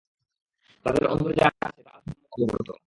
তাদের অন্তরে যা আছে তা আল্লাহ সম্যক অবগত।